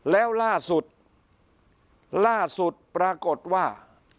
แล้วล่าสุดล่าสุดปรากฏว่า